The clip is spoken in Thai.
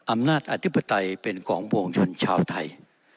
อำนาจอธิปไตยเป็นของปวงชนชาวไทย